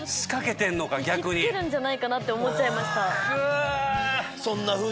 引きつけるんじゃないかなって思っちゃいました。